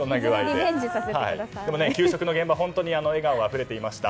給食の現場笑顔があふれていました。